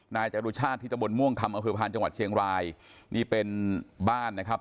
นายจรุชาติที่ตะบนม่วงคำอำเภอพานจังหวัดเชียงรายนี่เป็นบ้านนะครับ